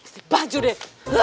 si baju deh